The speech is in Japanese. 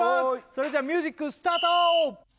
それじゃあミュージックスタート